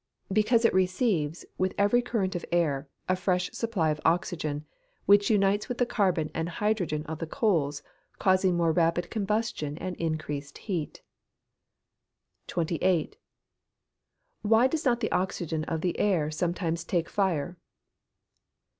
_ Because it receives, with every current of air, a fresh supply of oxygen, which unites with the carbon and hydrogen of the coals, causing more rapid combustion and increased heat. 28. _Why does not the oxygen of the air sometimes take fire?